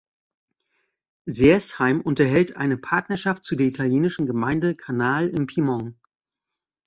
Sersheim unterhält eine Partnerschaft zu der italienischen Gemeinde Canale im Piemont.